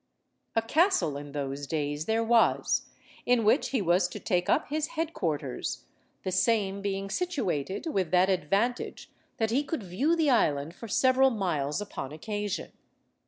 A castle in those days there was, in which he was to take up his head–quarters, the same being situated with that advantage that he could view the island for several miles upon occasion.